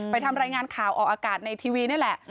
ทำรายงานข่าวออกอากาศในทีวีนี่แหละ